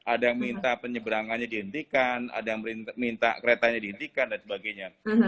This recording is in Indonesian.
ada yang minta penyeberangannya dihentikan ada yang minta keretanya dihentikan dan sebagainya